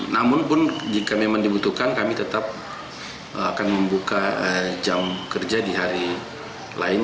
namun pun jika memang dibutuhkan kami tetap akan membuka jam kerja di hari lain